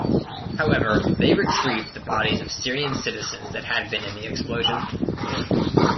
However, they retrieved the bodies of Syrian citizens that had been in the explosion.